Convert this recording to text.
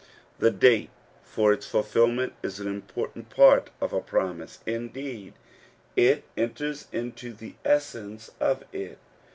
The date for its fulfilment is an important part of a promise ; indeed, it enters into the essence of it.